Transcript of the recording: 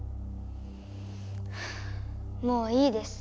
もういいです。